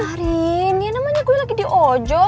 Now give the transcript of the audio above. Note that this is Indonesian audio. karin ya namanya gue lagi di ojo